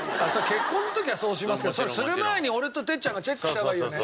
結婚の時はそうしますけどする前に俺と哲ちゃんがチェックした方がいいよね。